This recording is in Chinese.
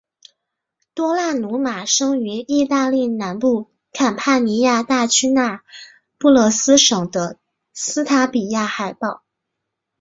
多纳鲁马生于义大利南部坎帕尼亚大区那不勒斯省的斯塔比亚海堡。